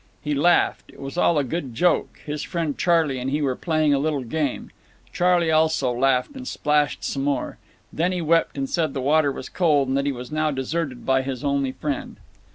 He laughed. It was all a good joke; his friend Charley and he were playing a little game. Charley also laughed and splashed some more. Then he wept and said that the water was cold, and that he was now deserted by his only friend.